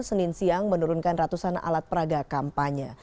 senin siang menurunkan ratusan alat peraga kampanye